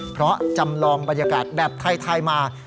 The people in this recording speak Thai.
เพราะจำลองบรรยากาศแบบไทยมา